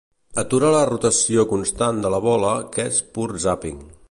Atura la rotació constant de la bola que és pur zàping.